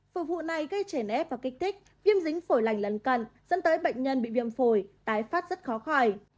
phổi phụ này gây trẻ nếp và kích thích viêm dính phổi lành lần cần dẫn tới bệnh nhân bị viêm phổi tái phát rất khó khỏi